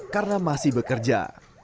karena masih bekerja